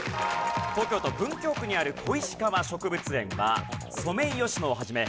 東京都文京区にある小石川植物園はソメイヨシノを始め